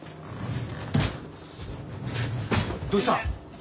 どうした！？